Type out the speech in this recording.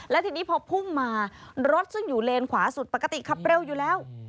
และทีนี้พอพุ่งมารถซึ่งอยู่เลนขวาสุดปกติขับเร็วอยู่แล้ว